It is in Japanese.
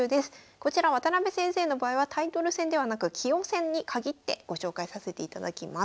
こちら渡辺先生の場合はタイトル戦ではなく棋王戦に限ってご紹介させていただきます。